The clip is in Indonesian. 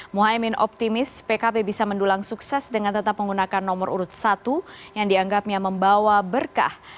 muhaymin optimis pkb bisa mendulang sukses dengan tetap menggunakan nomor urut satu yang dianggapnya membawa berkah